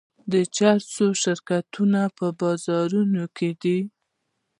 د چرسو شرکتونه په بازار کې دي.